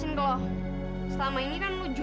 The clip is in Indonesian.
ini kesempatan tau